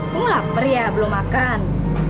wah lapar ya belum makan